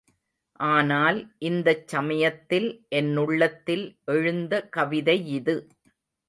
ஆனால், இந்தச் சமயத்தில் என்னுள்ளத்தில் எழுந்த கவிதையிது.